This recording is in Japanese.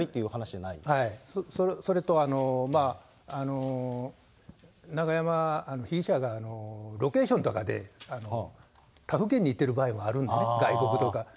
はい、それと、永山、被疑者がロケーションとかで他府県に行ってる場合もあるんでね、外国とか。